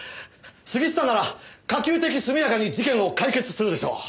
杉下なら可及的速やかに事件を解決するでしょう。